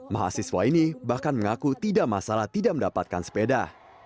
mahasiswa ini bahkan mengaku tidak masalah tidak mendapatkan sepeda